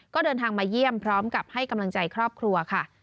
ก็เดินทางมาเยี่ยมพร้อมกับให้กำลังใจครอบครัวค่ะ